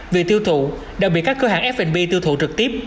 vì tiêu thụ đặc biệt các cơ hãng f b tiêu thụ trực tiếp